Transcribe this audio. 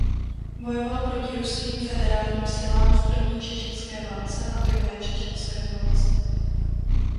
Bojoval proti ruským federálním silám v první čečenské válce a druhé čečenské válce.